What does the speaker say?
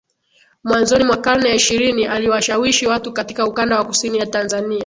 Mwanzoni mwa karne ya ishirini aliwashawishi watu katika Ukanda wa Kusini ya Tanzania